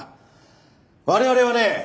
我々はね